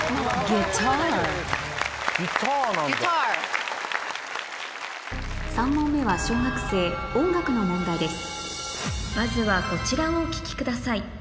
ｇｕｉｔａｒ．３ 問目は小学生音楽の問題です